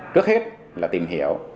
trước hết là tìm hiểu